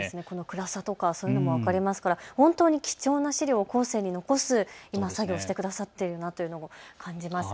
暗さとかそういうのも分かりますから本当に貴重な資料を後世に残す今、作業をしてくださってるなというのを感じます。